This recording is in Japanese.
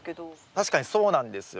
確かにそうなんですよ。